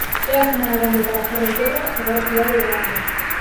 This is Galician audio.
É a semana grande para Ferrolterra e para a cidade do Landro.